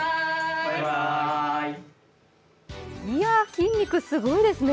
筋肉、すごいですね。